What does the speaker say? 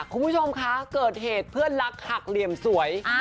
คุณผู้ชมคะเกิดเหตุเพื่อนรักหักเหลี่ยมสวย